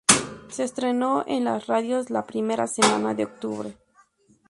Se estrenó en las radios la primera semana de octubre.